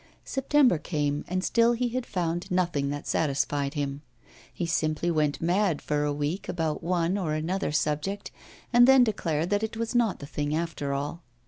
September came, and still he had found nothing that satisfied him; he simply went mad for a week about one or another subject, and then declared that it was not the thing after all.